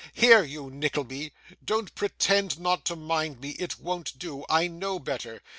Here, you Nickleby! Don't pretend not to mind me; it won't do; I know better.